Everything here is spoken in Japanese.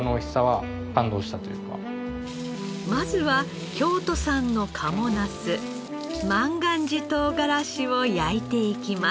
まずは京都産の賀茂なす万願寺とうがらしを焼いていきます。